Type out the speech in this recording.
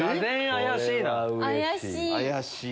怪しいな。